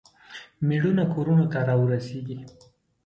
میړونه کورونو ته راورسیږي.